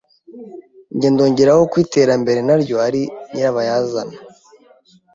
Nanjye ndongeraho ko iterambere naryo ari nyirabayazana,